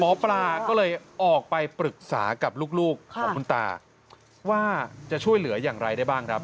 หมอปลาก็เลยออกไปปรึกษากับลูกของคุณตาว่าจะช่วยเหลืออย่างไรได้บ้างครับ